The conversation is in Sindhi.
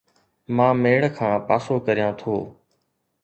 مان ميڙ کان پاسو ڪريان ٿو